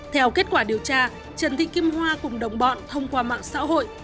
theo kết quả điều tra trần thị kim hoa cùng đồng bọn thông qua mạng xã hội